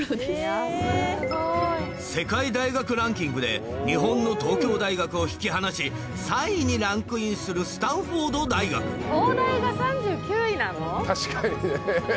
「世界大学ランキング」で日本の東京大学を引き離し３位にランクインするスタンフォード大学確かにね。